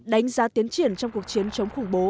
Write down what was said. đánh giá tiến triển trong cuộc chiến chống khủng bố